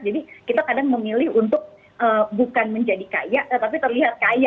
jadi kita kadang memilih untuk bukan menjadi kaya tapi terlihat kaya